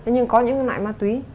nhưng có những loại ma túy